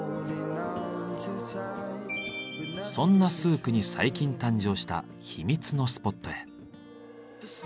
そんなスークに最近誕生した秘密のスポットへ。